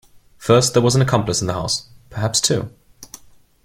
First, there was an accomplice in the house — perhaps two.